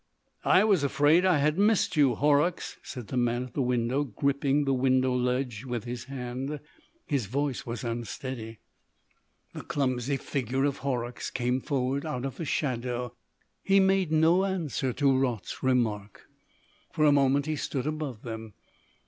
"I was afraid I had missed you, Horrocks," said the man at the window, gripping the window ledge with his hand. His voice was unsteady. The clumsy figure of Horrocks came forward out of the shadow. He made no answer to Raut's remark. For a moment he stood above them.